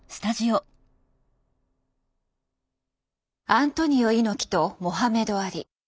アントニオ猪木とモハメド・アリ。